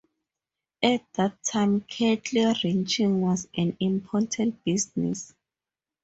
At that time cattle ranching was an important business.